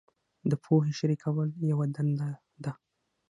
د پوهې شریکول یوه دنده ده.